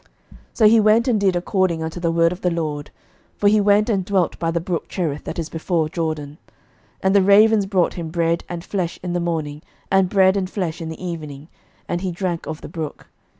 11:017:005 So he went and did according unto the word of the LORD: for he went and dwelt by the brook Cherith, that is before Jordan. 11:017:006 And the ravens brought him bread and flesh in the morning, and bread and flesh in the evening; and he drank of the brook.